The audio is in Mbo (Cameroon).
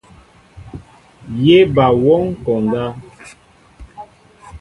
Yé ba wɔŋ konda.